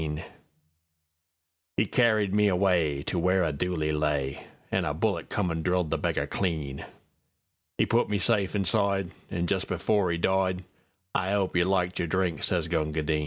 'E carried me awayTo where a dooli lay, An' a bullet come an' drilled the beggar clean.'E put me safe inside, An' just before 'e died:"I 'ope you liked your drink," sez Gunga Din.